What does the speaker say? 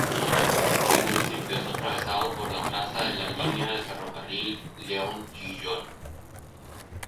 El municipio es atravesado por la traza de la línea de ferrocarril León-Gijón.